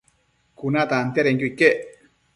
Cuna tantiadenquio iquec